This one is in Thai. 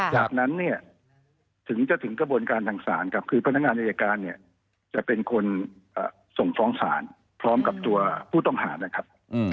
จากนั้นเนี่ยถึงจะถึงกระบวนการทางศาลครับคือพนักงานอายการเนี่ยจะเป็นคนส่งฟ้องศาลพร้อมกับตัวผู้ต้องหานะครับ